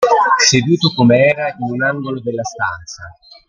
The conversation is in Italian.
Seduto come era in un angolo della stanza.